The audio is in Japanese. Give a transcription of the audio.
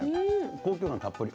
高級感たっぷり。